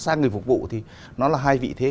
sang người phục vụ thì nó là hai vị thế